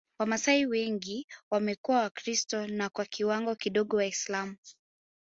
Wamasai wengi wamekuwa Wakristo na kwa kiwango kidogo Waislamu